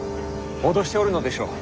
脅しておるのでしょう。